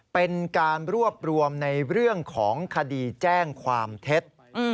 เป็นการรวบรวมในเรื่องของคดีแจ้งความเท็จ